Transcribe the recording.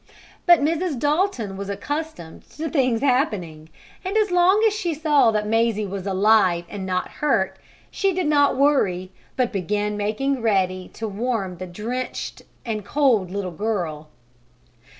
But Mrs. Dalton was accustomed to things happening, and as long as she saw that Mazie was alive and not hurt, she did not worry, but began making ready to warm the drenched and cold little girl.